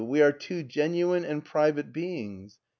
We are two genuine and private beings."